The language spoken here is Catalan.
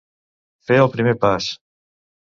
Fer el primer pas.